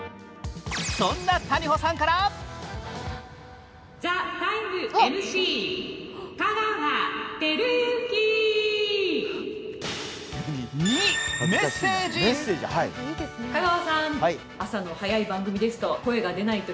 そんな谷保さんから「ＴＨＥＴＩＭＥ，」ＭＣ香川照之。